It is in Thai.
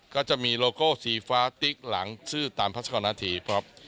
ก็จะมีโลโก้สีฟ้าติ๊กหลังชื่อตามพัศกรณฑีครับ